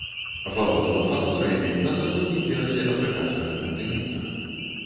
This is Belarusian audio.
Валодала факторыямі на заходнім беразе афрыканскага кантынента.